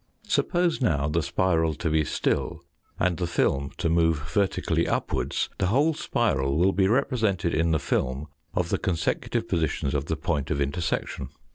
Suppose now the spiral to be still and .x^*^ ^J the film to move vertically f upwards, the whole spiral will Xf"*"""*^ be represented in the film of /^"^ the consecutive positions of the point of intersection.